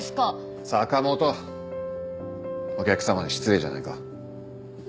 坂元お客様に失礼じゃないか。